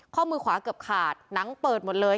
ข้อมือขวาเกือบขาดหนังเปิดหมดเลย